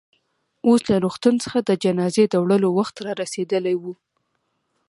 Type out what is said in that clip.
اوس له روغتون څخه د جنازې د وړلو وخت رارسېدلی و.